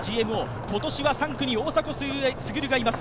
今年は３区に大迫傑がいます。